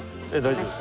大丈夫。